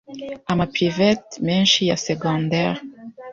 ama private menshi ya secondaire